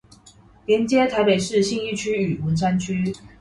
連接臺北市信義區與文山區